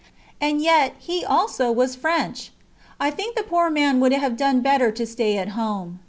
and yet he also was French. I think the poor man would have done better to stay at home.